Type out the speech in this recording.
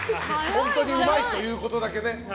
本当にうまいということだけね。